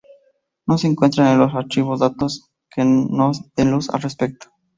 No se encuentran en los archivos datos que nos den luz al respecto.